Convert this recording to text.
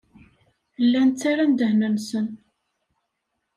Llan ttarran ddehn-nsen.